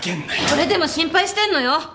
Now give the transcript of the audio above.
これでも心配してんのよ。